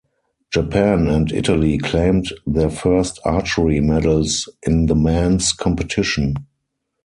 Japan and Italy claimed their first archery medals in the men's competition.